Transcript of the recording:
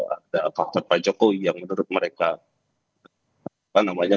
ada faktor pak jokowi yang menurut mereka